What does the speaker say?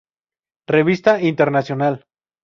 Revista Internacional.